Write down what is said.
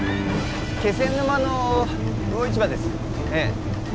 気仙沼の魚市場ですええ